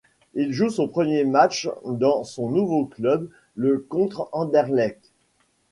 Il joue son premier match dans son nouveau club le contre Anderlecht.